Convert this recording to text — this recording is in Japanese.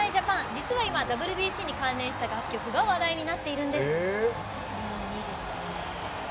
実は今、ＷＢＣに関連した楽曲が話題になっているんです。